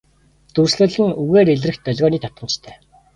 Дүрслэл нь үгээр илрэх долгионы давтамжтай.